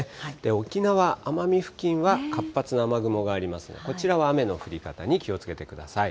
沖縄・奄美付近は、活発な雨雲がありますので、こちらは雨の降り方に気をつけてください。